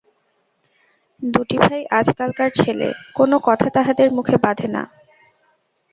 দুটি ভাই আজকালকার ছেলে, কোনো কথা তাহাদের মুখে বাধে না।